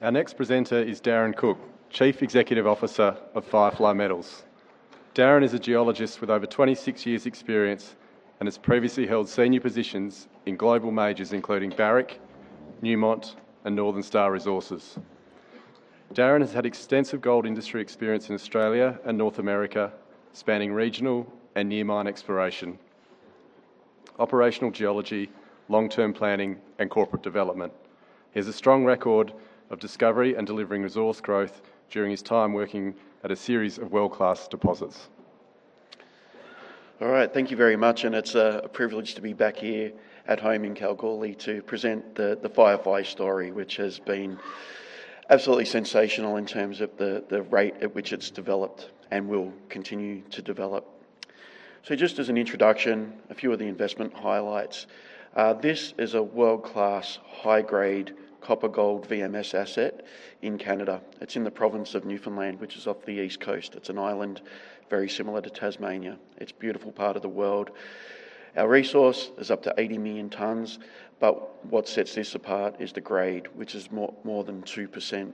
Our next presenter is Darren Cooke, Chief Executive Officer of FireFly Metals. Darren is a geologist with over 26 years experience and has previously held senior positions in global majors including Barrick, Newmont, and Northern Star Resources. Darren has had extensive gold industry experience in Australia and North America, spanning regional and near mine exploration, operational geology, long-term planning, and corporate development. He has a strong record of discovery and delivering resource growth during his time working at a series of world-class deposits. All right. Thank you very much, and it's a privilege to be back here at home in Kalgoorlie to present the FireFly story, which has been absolutely sensational in terms of the rate at which it's developed and will continue to develop. Just as an introduction, a few of the investment highlights. This is a world-class high-grade copper gold VMS asset in Canada. It's in the province of Newfoundland, which is off the East Coast. It's an island very similar to Tasmania. It's a beautiful part of the world. Our resource is up to 80 million tons, but what sets this apart is the grade, which is more than 2%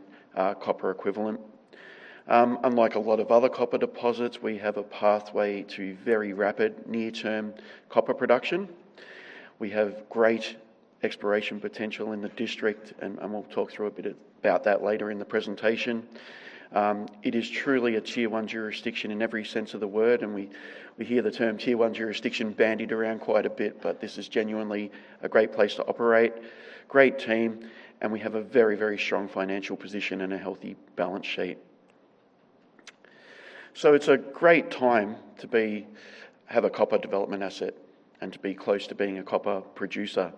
copper equivalent. Unlike a lot of other copper deposits, we have a pathway to very rapid near-term copper production. We have great exploration potential in the district, and we'll talk through a bit about that later in the presentation. It is truly a Tier 1 jurisdiction in every sense of the word. We hear the term Tier 1 jurisdiction bandied around quite a bit, but this is genuinely a great place to operate, great team, and we have a very, very strong financial position and a healthy balance sheet. It's a great time to have a copper development asset and to be close to being a copper producer.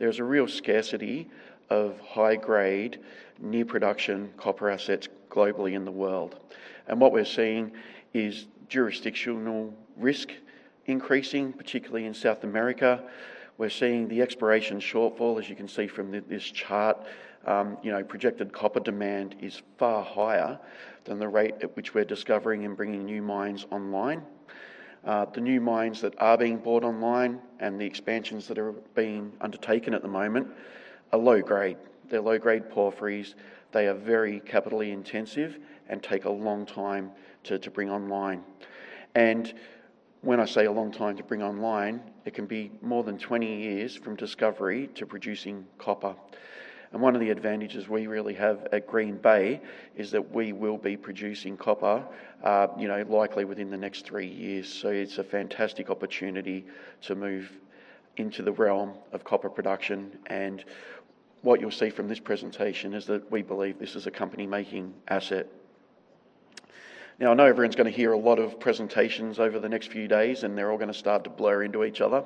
There's a real scarcity of high-grade, new production copper assets globally in the world. What we're seeing is jurisdictional risk increasing, particularly in South America. We're seeing the exploration shortfall, as you can see from this chart. Projected copper demand is far higher than the rate at which we're discovering and bringing new mines online. The new mines that are being brought online and the expansions that are being undertaken at the moment are low grade. They're low-grade porphyries. They are very capitally intensive and take a long time to bring online. When I say a long time to bring online, it can be more than 20 years from discovery to producing copper. One of the advantages we really have at Green Bay is that we will be producing copper likely within the next three years. It's a fantastic opportunity to move into the realm of copper production. What you'll see from this presentation is that we believe this is a company-making asset. Now, I know everyone's going to hear a lot of presentations over the next few days, and they're all going to start to blur into each other,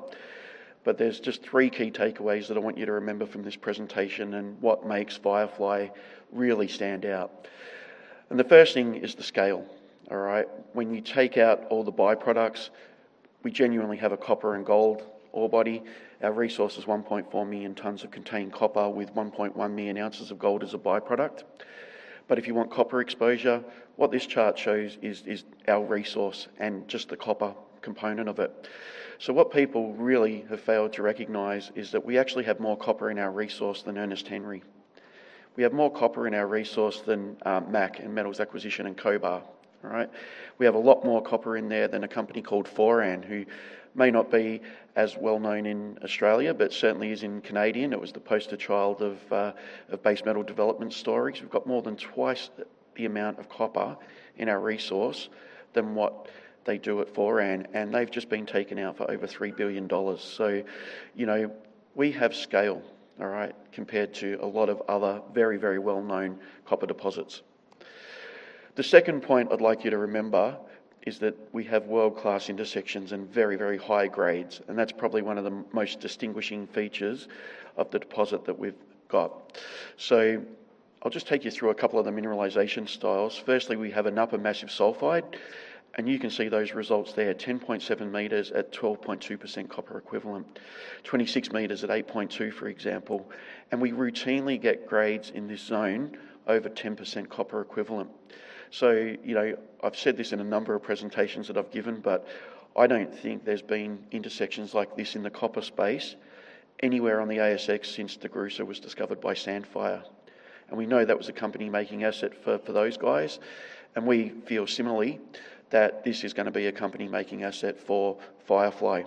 but there's just three key takeaways that I want you to remember from this presentation and what makes FireFly really stand out. The first thing is the scale. All right? When you take out all the byproducts, we genuinely have a copper and gold ore body. Our resource is 1.4 million tons of contained copper with 1.1 million ounces of gold as a byproduct. If you want copper exposure, what this chart shows is our resource and just the copper component of it. What people really have failed to recognize is that we actually have more copper in our resource than Ernest Henry. We have more copper in our resource than MAC, in Metals Acquisition, and Cobar. All right? We have a lot more copper in there than a company called Foran, who may not be as well known in Australia, but certainly is in Canadian. It was the poster child of base metal development stories. We've got more than twice the amount of copper in our resource than what they do at Foran, and they've just been taken out for over 3 billion dollars. We have scale, all right, compared to a lot of other very, very well-known copper deposits. The second point I'd like you to remember is that we have world-class intersections and very, very high grades, and that's probably one of the most distinguishing features of the deposit that we've got. I'll just take you through a couple of the mineralization styles. Firstly, we have an upper massive sulfide, and you can see those results there, 10.7 meters at 12.2% copper equivalent, 26 meters at 8.2%, for example. We routinely get grades in this zone over 10% copper equivalent. I've said this in a number of presentations that I've given, but I don't think there's been intersections like this in the copper space anywhere on the ASX since DeGrussa was discovered by Sandfire. We know that was a company making asset for those guys. We feel similarly that this is going to be a company making asset for FireFly.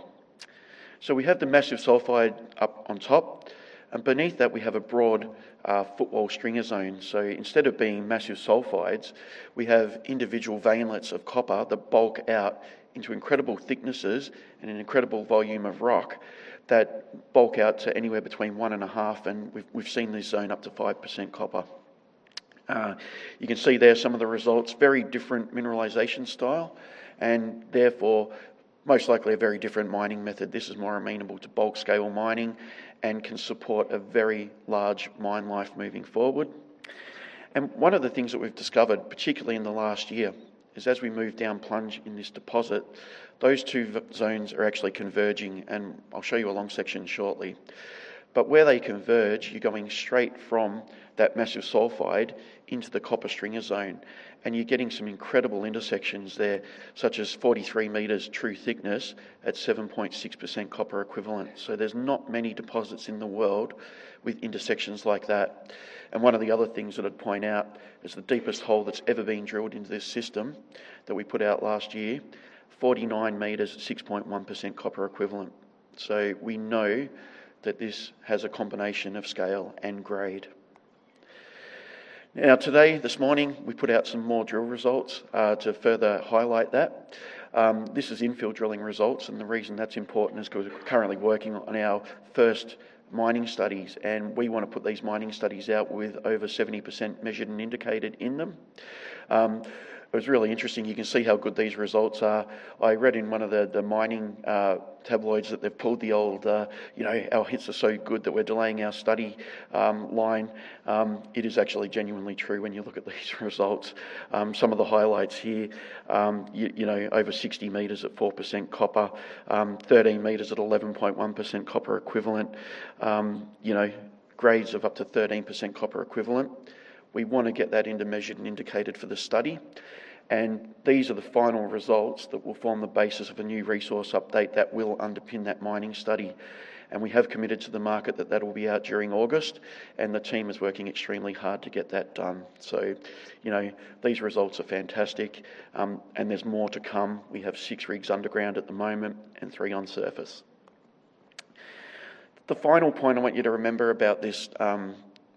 We have the massive sulfide up on top, and beneath that, we have a broad footwall stringer zone. Instead of being massive sulfides, we have individual veinlets of copper that bulk out into incredible thicknesses and an incredible volume of rock that bulk out to anywhere between one and a half, and we've seen this zone up to 5% copper. You can see there some of the results, very different mineralization style and therefore, most likely a very different mining method. This is more amenable to bulk scale mining and can support a very large mine life moving forward. One of the things that we've discovered, particularly in the last year, is as we move down plunge in this deposit, those two zones are actually converging. I'll show you a long section shortly. Where they converge, you're going straight from that massive sulfide into the copper stringer zone, and you're getting some incredible intersections there, such as 43 meters true thickness at 7.6% copper equivalent. There's not many deposits in the world with intersections like that. One of the other things that I'd point out, it's the deepest hole that's ever been drilled into this system that we put out last year, 49 meters at 6.1% copper equivalent. We know that this has a combination of scale and grade. Today, this morning, we put out some more drill results to further highlight that. This is infill drilling results, the reason that's important is because we're currently working on our first mining studies, and we want to put these mining studies out with over 70% Measured and Indicated in them. It was really interesting. You can see how good these results are. I read in one of the mining tabloids that they've pulled the old, our hits are so good that we're delaying our study line. It is actually genuinely true when you look at these results. Some of the highlights here, over 60 meters at 4% copper, 13 meters at 11.1% copper equivalent. Grades of up to 13% copper equivalent. We want to get that into Measured and Indicated for the study. These are the final results that will form the basis of a new resource update that will underpin that mining study. We have committed to the market that that will be out during August, and the team is working extremely hard to get that done. These results are fantastic, and there's more to come. We have six rigs underground at the moment and three on surface. The final point I want you to remember about this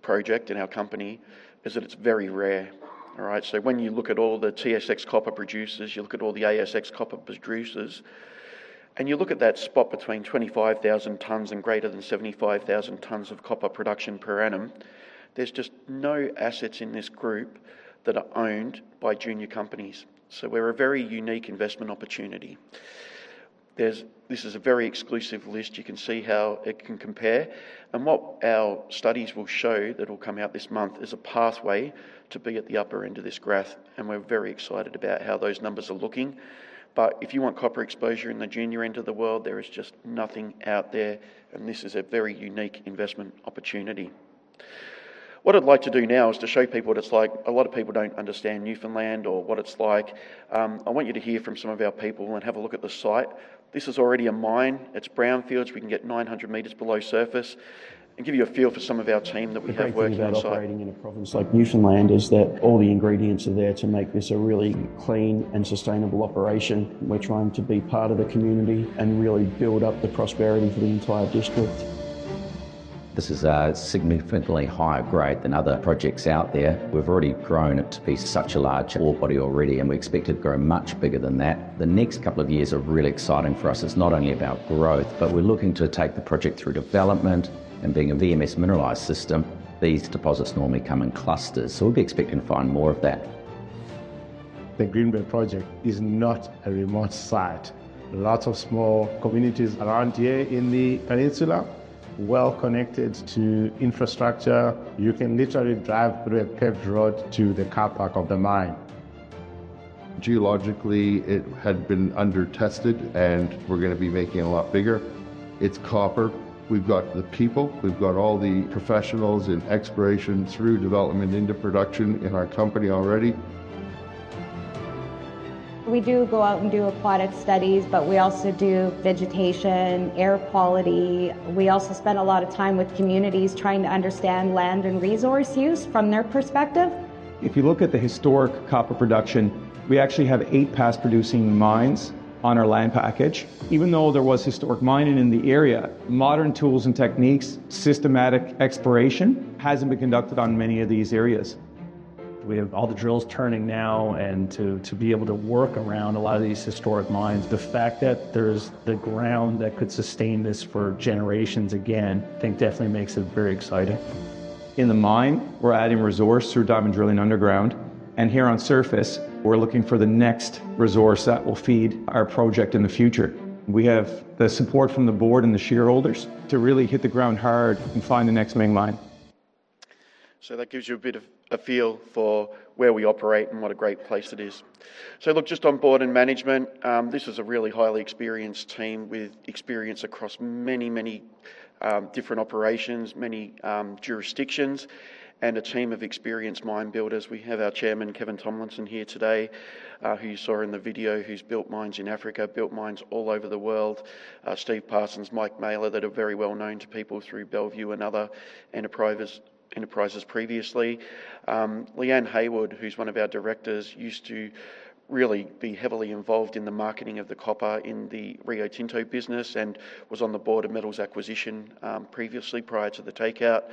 project and our company is that it's very rare. All right? When you look at all the TSX copper producers, you look at all the ASX copper producers, and you look at that spot between 25,000 tons and greater than 75,000 tons of copper production per annum, there's just no assets in this group that are owned by junior companies. We're a very unique investment opportunity. This is a very exclusive list. You can see how it can compare. What our studies will show, that'll come out this month, is a pathway to be at the upper end of this graph, and we're very excited about how those numbers are looking. If you want copper exposure in the junior end of the world, there is just nothing out there, and this is a very unique investment opportunity. What I'd like to do now is to show people what it's like. A lot of people don't understand Newfoundland or what it's like. I want you to hear from some of our people and have a look at the site. This is already a mine. It's brownfields. We can get 900 meters below surface. Give you a feel for some of our team that we have working on site. The great thing about operating in a province like Newfoundland is that all the ingredients are there to make this a really clean and sustainable operation. We're trying to be part of the community and really build up the prosperity for the entire district. This is a significantly higher grade than other projects out there. We've already grown it to be such a large ore body already, and we expect it to grow much bigger than that. The next couple of years are really exciting for us. It's not only about growth, but we're looking to take the project through development and being a VMS mineralized system. These deposits normally come in clusters, so we'll be expecting to find more of that. The Green Bay project is not a remote site. There are lots of small communities around here in the peninsula, well-connected to infrastructure. You can literally drive through a paved road to the car park of the mine. Geologically, it had been under-tested, and we're going to be making it a lot bigger. It's copper. We've got the people. We've got all the professionals in exploration through development into production in our company already. We do go out and do aquatic studies, but we also do vegetation, air quality. We also spend a lot of time with communities trying to understand land and resource use from their perspective. If you look at the historic copper production, we actually have eight past-producing mines on our land package. Even though there was historic mining in the area, modern tools and techniques, systematic exploration hasn't been conducted on many of these areas. We have all the drills turning now and to be able to work around a lot of these historic mines. The fact that there's the ground that could sustain this for generations again, I think definitely makes it very exciting. In the mine, we're adding resource through diamond drilling underground, and here on surface, we're looking for the next resource that will feed our project in the future. We have the support from the board and the shareholders to really hit the ground hard and find the next main mine. That gives you a bit of a feel for where we operate and what a great place it is. Look, just on board and management, this is a really highly experienced team with experience across many different operations, many jurisdictions, and a team of experienced mine builders. We have our chairman, Kevin Tomlinson, here today, who you saw in the video who's built mines in Africa, built mines all over the world. Steve Parsons, Mike Mailer, that are very well known to people through Bellevue and other enterprises previously. Leanne Heywood, who's one of our directors, used to really be heavily involved in the marketing of the copper in the Rio Tinto business and was on the board of Metals Acquisition previously, prior to the takeout.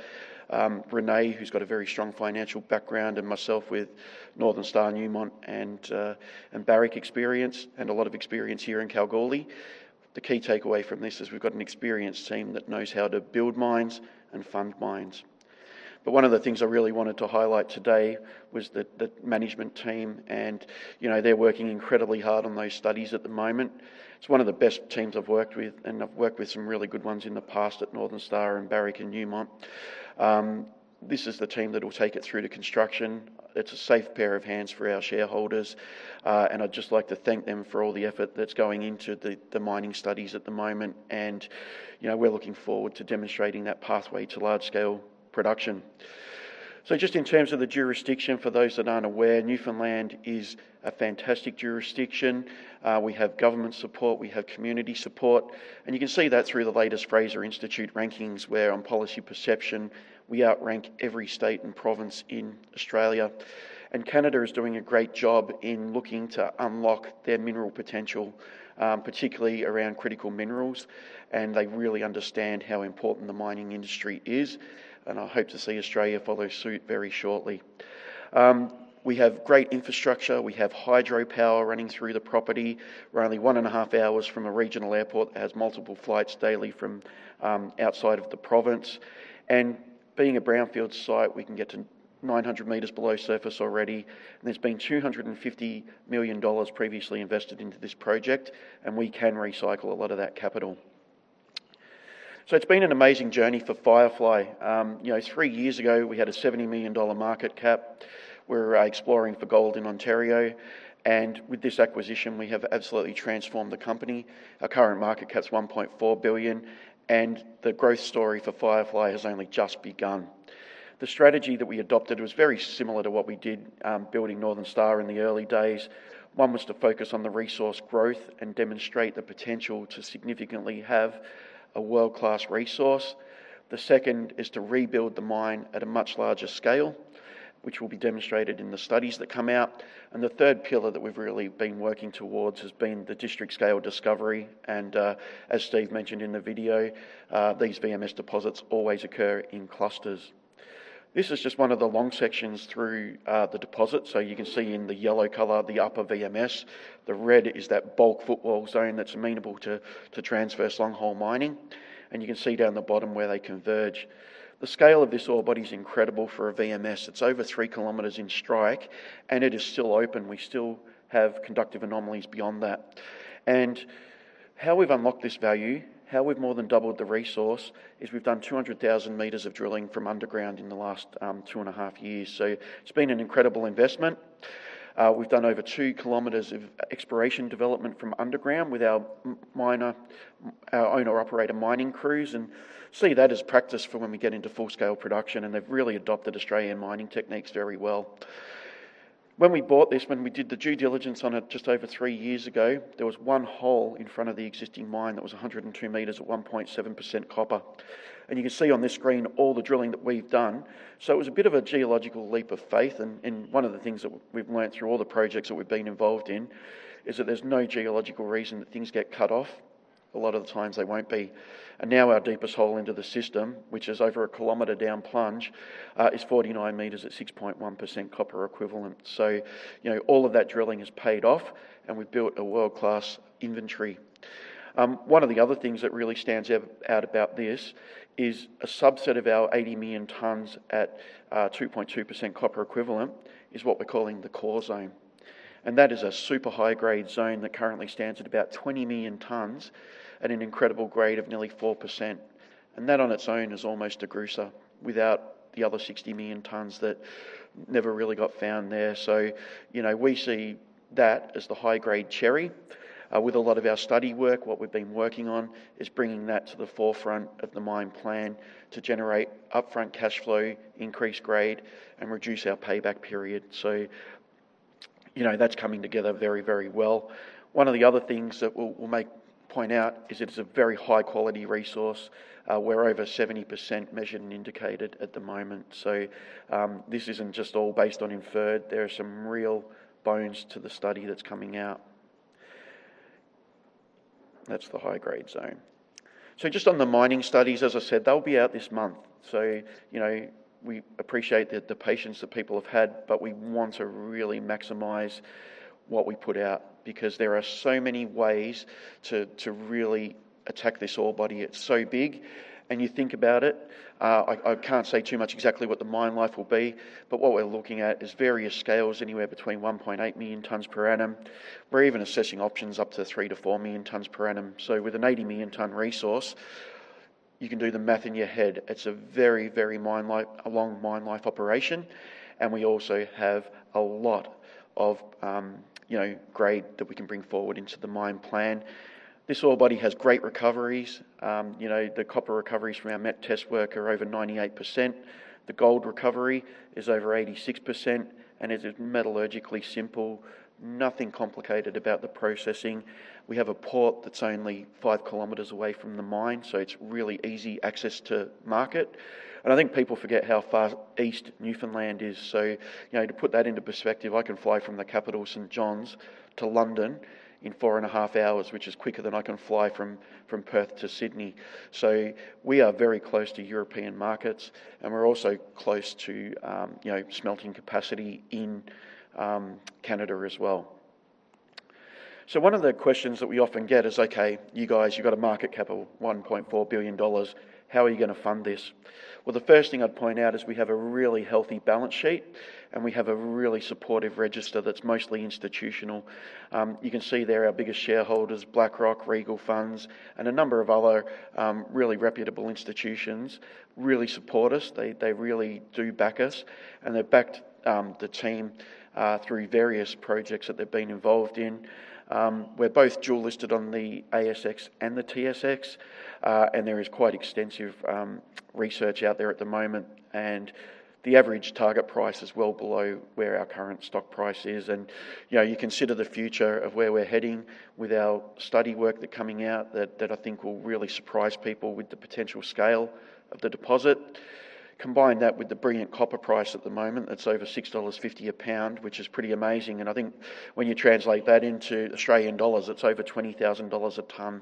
Rene, who's got a very strong financial background, and myself with Northern Star, Newmont and Barrick experience and a lot of experience here in Kalgoorlie. The key takeaway from this is we've got an experienced team that knows how to build mines and fund mines. One of the things I really wanted to highlight today was the management team, they're working incredibly hard on those studies at the moment. It's one of the best teams I've worked with, and I've worked with some really good ones in the past at Northern Star and Barrick and Newmont. This is the team that will take it through to construction. It's a safe pair of hands for our shareholders. I'd just like to thank them for all the effort that's going into the mining studies at the moment. We're looking forward to demonstrating that pathway to large-scale production. Just in terms of the jurisdiction, for those that aren't aware, Newfoundland is a fantastic jurisdiction. We have government support. We have community support. You can see that through the latest Fraser Institute rankings, where on policy perception, we outrank every state and province in Australia. Canada is doing a great job in looking to unlock their mineral potential, particularly around critical minerals, and they really understand how important the mining industry is. I hope to see Australia follow suit very shortly. We have great infrastructure. We have hydropower running through the property. We're only one and a half hours from a regional airport that has multiple flights daily from outside of the province. Being a brownfield site, we can get to 900 meters below surface already. There's been 250 million dollars previously invested into this project, and we can recycle a lot of that capital. It's been an amazing journey for Firefly. Three years ago, we had a 70 million dollar market cap. We were exploring for gold in Ontario. With this acquisition, we have absolutely transformed the company. Our current market cap's 1.4 billion, the growth story for Firefly has only just begun. The strategy that we adopted was very similar to what we did building Northern Star in the early days. One was to focus on the resource growth and demonstrate the potential to significantly have a world-class resource. The second is to rebuild the mine at a much larger scale, which will be demonstrated in the studies that come out. The third pillar that we've really been working towards has been the district scale discovery. As Steve mentioned in the video, these VMS deposits always occur in clusters. This is just one of the long sections through the deposit. You can see in the yellow color, the upper VMS. The red is that bulk footwall zone that's amenable to transverse long-hole mining. You can see down the bottom where they converge. The scale of this ore body's incredible for a VMS. It's over 3 kilometers in strike, it is still open. We still have conductive anomalies beyond that. How we've unlocked this value, how we've more than doubled the resource, is we've done 200,000 meters of drilling from underground in the last two and a half years. It's been an incredible investment. We've done over two kilometers of exploration development from underground with our owner/operator mining crews and see that as practice for when we get into full-scale production, they've really adopted Australian mining techniques very well. When we bought this, when we did the due diligence on it just over three years ago, there was one hole in front of the existing mine that was 102 meters at 1.7% copper. You can see on this screen all the drilling that we've done. It was a bit of a geological leap of faith. One of the things that we've learned through all the projects that we've been involved in is that there's no geological reason that things get cut off. A lot of the times they won't be. Now our deepest hole into the system, which is over one kilometer down plunge, is 49 meters at 6.1% CuEq. All of that drilling has paid off, we've built a world-class inventory. One of the other things that really stands out about this is a subset of our 80 million tons at 2.2% CuEq is what we're calling the core zone. That is a super high-grade zone that currently stands at about 20 million tons at an incredible grade of nearly 4%. That on its own is almost a DeGrussa without the other 60 million tons that never really got found there. We see that as the high-grade cherry. With a lot of our study work, what we've been working on is bringing that to the forefront of the mine plan to generate upfront cash flow, increase grade, and reduce our payback period. That's coming together very well. One of the other things that we'll point out is it's a very high-quality resource. We're over 70% Measured and Indicated at the moment. This isn't just all based on inferred. There are some real bones to the study that's coming out. That's the high-grade zone. Just on the mining studies, as I said, they'll be out this month. We appreciate the patience that people have had, we want to really maximize what we put out because there are so many ways to really attack this ore body. It's so big. You think about it, I can't say too much exactly what the mine life will be, what we're looking at is various scales, anywhere between 1.8 million tons per annum. We're even assessing options up to 3 million-4 million tons per annum. With an 80-million-ton resource, you can do the math in your head. It's a very long mine life operation. We also have a lot of grade that we can bring forward into the mine plan. This ore body has great recoveries. The copper recoveries from our MET test work are over 98%. The gold recovery is over 86% and is metallurgically simple. Nothing complicated about the processing. We have a port that's only five kilometers away from the mine, it's really easy access to market. I think people forget how far east Newfoundland is. To put that into perspective, I can fly from the capital, St. John's, to London in 4 and a half hours, which is quicker than I can fly from Perth to Sydney. We are very close to European markets, and we're also close to smelting capacity in Canada as well. One of the questions that we often get is, "Okay, you guys, you've got a market capital, 1.4 billion dollars. How are you going to fund this?" The first thing I'd point out is we have a really healthy balance sheet, and we have a really supportive register that's mostly institutional. You can see there our biggest shareholders, BlackRock, Regal Funds, and a number of other really reputable institutions really support us. They really do back us. They've backed the team through various projects that they've been involved in. We're both dual-listed on the ASX and the TSX. There is quite extensive research out there at the moment, the average target price is well below where our current stock price is. You consider the future of where we're heading with our study work that coming out that, I think, will really surprise people with the potential scale of the deposit. Combine that with the brilliant copper price at the moment, that's over 6.50 dollars a pound, which is pretty amazing. I think when you translate that into Australian dollars, it's over 20,000 dollars a ton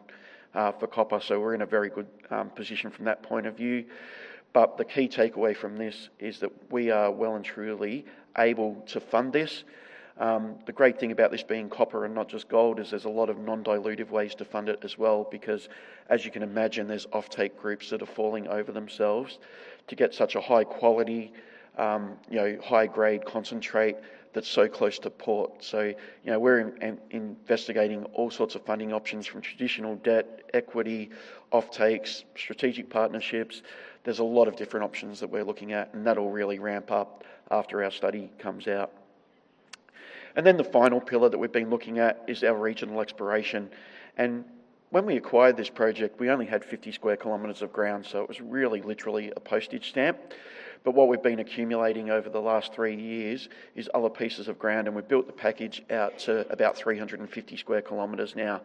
for copper. We're in a very good position from that point of view. The key takeaway from this is that we are well and truly able to fund this. The great thing about this being copper and not just gold is there's a lot of non-dilutive ways to fund it as well because, as you can imagine, there's offtake groups that are falling over themselves to get such a high-quality, high-grade concentrate that's so close to port. We're investigating all sorts of funding options from traditional debt, equity, offtakes, strategic partnerships. There's a lot of different options that we're looking at, and that'll really ramp up after our study comes out. The final pillar that we've been looking at is our regional exploration. When we acquired this project, we only had 50 square kilometers of ground, so it was really literally a postage stamp. What we've been accumulating over the last three years is other pieces of ground, and we've built the package out to about 350 square kilometers now.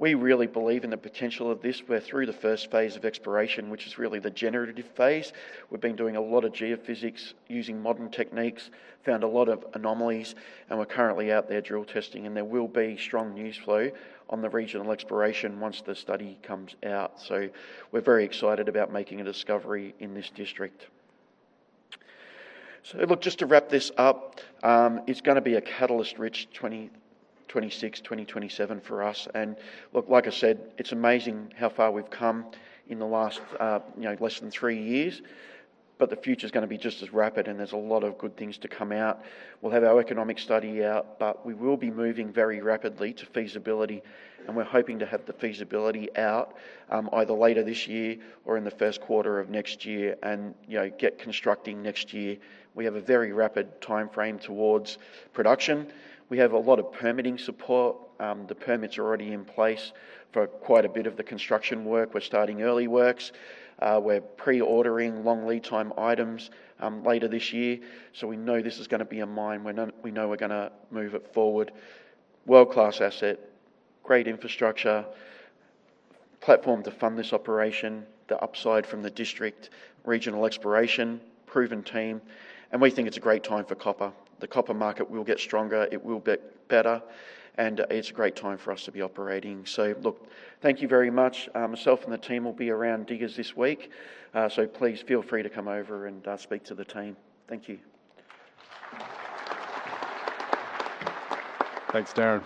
We really believe in the potential of this. We're through the first phase of exploration, which is really the generative phase. We've been doing a lot of geophysics using modern techniques, found a lot of anomalies, and we're currently out there drill testing. There will be strong news flow on the regional exploration once the study comes out. We're very excited about making a discovery in this district. Just to wrap this up. It's going to be a catalyst-rich 2026, 2027 for us. Like I said, it's amazing how far we've come in the last less than three years. The future's going to be just as rapid, and there's a lot of good things to come out. We'll have our economic study out. We will be moving very rapidly to feasibility. We're hoping to have the feasibility out either later this year or in the first quarter of next year and get constructing next year. We have a very rapid timeframe towards production. We have a lot of permitting support. The permits are already in place for quite a bit of the construction work. We're starting early works. We're pre-ordering long lead time items later this year. We know this is going to be a mine. We know we're going to move it forward. World-class asset, great infrastructure, platform to fund this operation, the upside from the district, regional exploration, proven team. We think it's a great time for copper. The copper market will get stronger, it will get better, and it's a great time for us to be operating. Look, thank you very much. Myself and the team will be around Diggers this week, so please feel free to come over and speak to the team. Thank you. Thanks, Darren